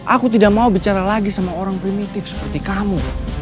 aku tidak mau bicara lagi sama orang primitif seperti kamu